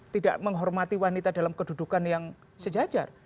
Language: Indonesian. tidak menghormati wanita dalam kedudukan yang sejajar